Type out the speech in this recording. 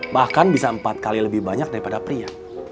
bahkan bisa empat kali lebih banyak daripada pria